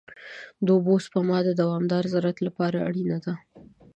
د اوبو سپما د دوامدار زراعت لپاره اړینه ده.